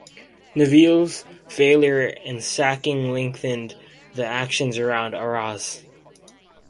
Nivelle's failure and sacking lengthened the actions around Arras.